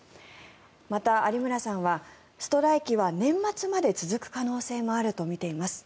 また、有村さんはストライキは年末まで続く可能性もあるとみています。